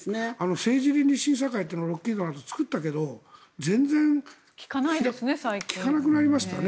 政治倫理審査会っていうのをロッキードのあとに作ったけど全然聞かなくなりましたね。